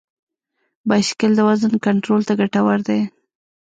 بایسکل د وزن کنټرول ته ګټور دی.